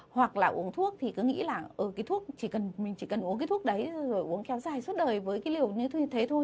hoặc là uống thuốc thì cứ nghĩ là mình chỉ cần uống cái thuốc đấy rồi uống kéo dài suốt đời với cái liều như thế thôi